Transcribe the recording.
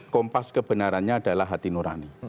kompas kebenarannya adalah hati nurani